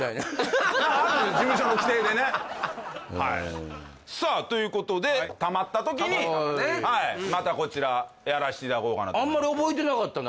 事務所の規定でねはいさあということでたまった時にまたこちらやらせていただこうかなとあんまり覚えてなかったな